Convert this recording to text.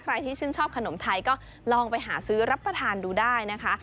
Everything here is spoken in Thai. ใครที่ชื่นชอบขนมไทยก็ลองไปหาซื้อรับประทานดูได้นะคะ